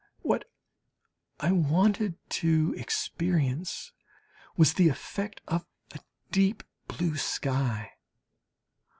What I wanted to experience was the effect of a deep blue sky.